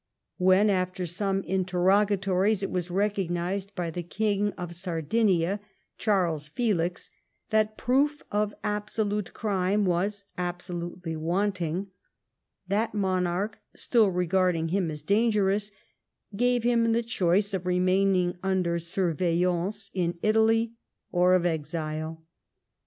When, after some interrogatories, it was recognised by the King of Sardinia, Charles Felix, that proof of absolute crime was absolutely wanting, that monarch, still regarding him as dangerous, gave him the choice of remaining under surveillance in Italy, or of exile.